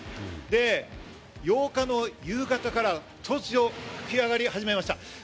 で、８日の夕方から突如、吹き上がり始めました。